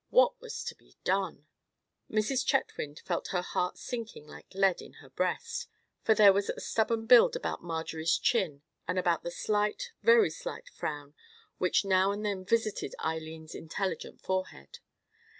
What was to be done? Mrs. Chetwynd felt her heart sinking like lead in her breast; for there was a stubborn build about Marjorie's chin and about the slight, very slight frown which now and then visited Eileen's intelligent forehead.